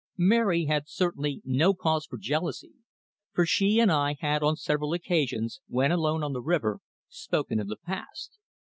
Mary had certainly no cause for jealousy, for she and I had on several occasions, when alone on the river, spoken of the past.